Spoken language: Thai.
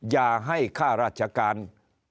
อย่าให้ค่ารัชการเขามีความรู้สึกว่าเกิดเป็นอะไร